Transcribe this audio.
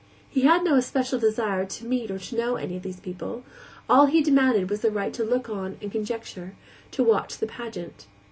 He had no especial desire to meet or to know any of these people; all he demanded was the right to look on and conjecture, to watch the pageant.